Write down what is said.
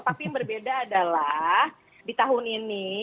tapi yang berbeda adalah di tahun ini